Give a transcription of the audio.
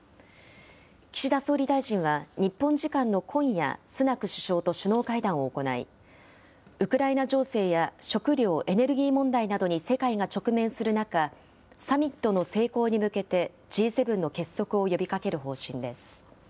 岸田総理大臣は、日本時間の今夜、スナク首相と首脳会談を行い、ウクライナ情勢や食料・エネルギー問題などに世界が直面する中、サミットの成功に向けて、Ｇ７の結束を呼びかける方針です。